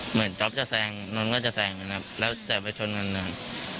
เหมือนจ๊อปจะแศงอนก็จะแสงแล้วแตกไปชนกันเลย